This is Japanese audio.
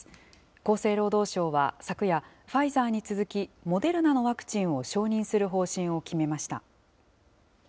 厚生労働省は昨夜、ファイザーに続き、モデルナのワクチンを承認する方針を決めました。